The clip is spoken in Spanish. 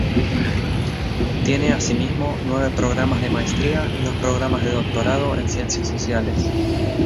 Tiene, asimismo, nueve programas de Maestría y dos Programas de Doctorado en Ciencias Sociales.